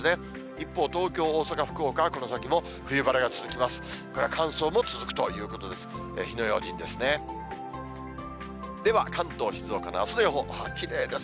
一方、東京、大阪、福岡はこの先も冬晴れが続きます。